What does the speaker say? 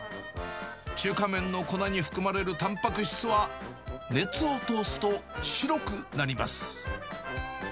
中華麺の粉に含まれるたんぱく質は熱を通すと白くなります。